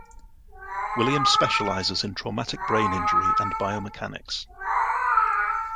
Williams specializes in traumatic brain injury and biomechanics.